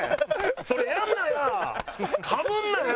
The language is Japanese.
それやんなや！